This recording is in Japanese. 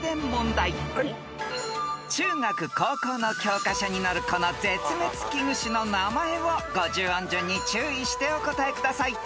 ［中学高校の教科書に載るこの絶滅危惧種の名前を五十音順に注意してお答えください］